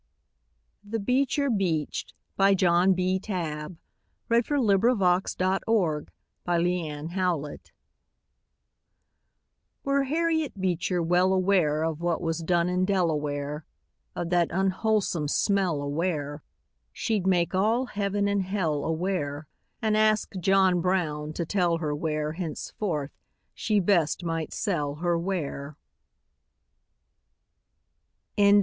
HE BEECHER BEACHED BY JOHN B. TABB Were Harriet Beecher well aware Of what was done in Delaware, Of that unwholesome smell aware, She'd make all heaven and hell aware, And ask John Brown to tell her where Henceforth she best might sell her ware.